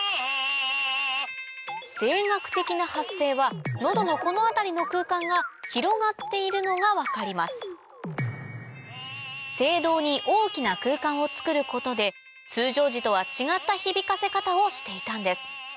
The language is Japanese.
声楽的な発声は喉のこの辺りの空間が広がっているのが分かります声道に大きな空間をつくることで通常時とは違った響かせ方をしていたんです